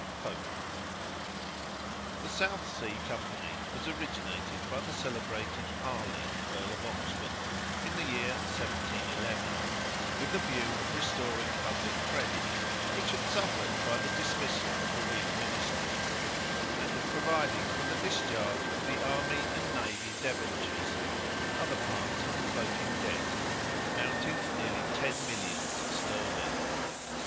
Pope. The South Sea Company was originated by the celebrated Harley Earl of Oxford, in the year 1711, with the view of restoring public credit, which had suffered by the dismissal of the Whig ministry, and of providing for the discharge of the army and navy debentures, and other parts of the floating debt, amounting to nearly ten millions sterling.